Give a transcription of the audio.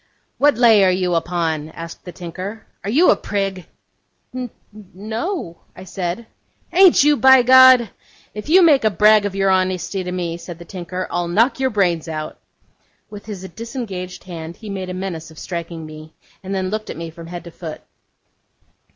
'What lay are you upon?' asked the tinker. 'Are you a prig?' 'N no,' I said. 'Ain't you, by G ? If you make a brag of your honesty to me,' said the tinker, 'I'll knock your brains out.' With his disengaged hand he made a menace of striking me, and then looked at me from head to foot.